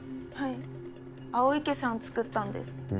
はい青池さん作ったんです